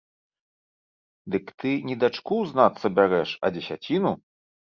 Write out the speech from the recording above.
Дык ты не дачку, знацца, бярэш, а дзесяціну?